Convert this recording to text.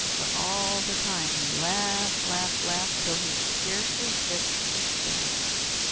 But all the time he laughed, laughed, laughed, till he was scarcely fit to stand.